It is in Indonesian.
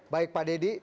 baik pak dedy